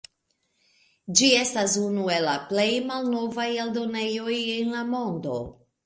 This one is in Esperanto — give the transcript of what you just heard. Ĝi estas unu el la plej malnovaj eldonejoj en la mondo.